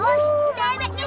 oh si mamanya